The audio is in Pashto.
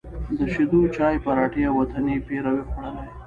د شېدو چای، پراټې او وطني پېروی خوړلی،